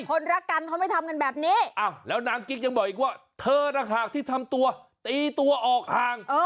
คนรักกันเขาไม่ทำกันแบบนี้แล้วนางกิ๊กยังบอกอีกว่าเธอนะคะที่ทำตัวตีตัวออกห่าง